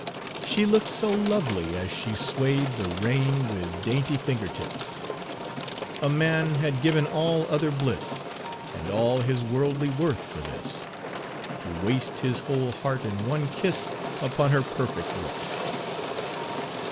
...... "She look'd so lovely, as she sway'd The rein with dainty finger tips, A man had given all other bliss, And all his worldly worth for this, To waste his whole heart in one kiss Upon her perfect lips."